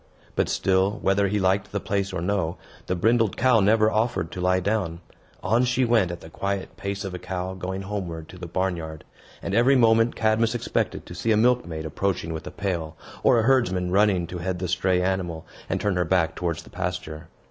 But still, whether he liked the place or no, the brindled cow never offered to lie down. On she went at the quiet pace of a cow going homeward to the barn yard; and, every moment, Cadmus expected to see a milkmaid approaching with a pail, or a herdsman running to head the stray animal, and turn her back towards the pasture.